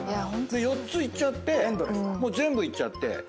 で４ついっちゃってもう全部いっちゃって。